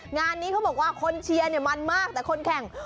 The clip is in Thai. งานนี้เขาบอกว่าคนเชียร์เนี่ยมันมากแต่คนแข่ง